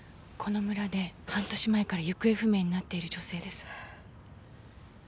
この村で半年前から行方不明になっている女性です。